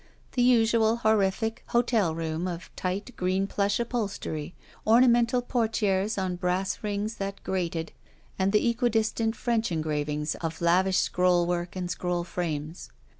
The usual horrific hotel room of tight green plush upholstery, ornamental portieres on brass rings that grated, and the eqtiidistant French engravings of lavish scrollwork and scroll frames.